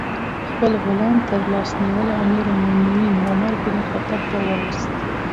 خپل غلام ترلاس نیولی امیر المؤمنین عمر بن الخطاب ته وروست.